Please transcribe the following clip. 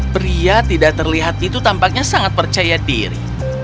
pria tidak terlihat itu tampaknya sangat percaya diri